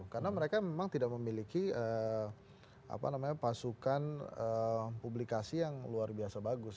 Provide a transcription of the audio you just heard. karena mereka memang tidak memiliki pasukan publikasi yang luar biasa bagus